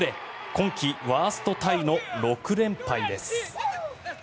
今季ワーストタイの６連敗です。